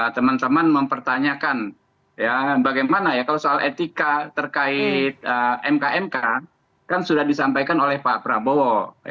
teman teman mempertanyakan bagaimana ya kalau soal etika terkait mkmk kan sudah disampaikan oleh pak prabowo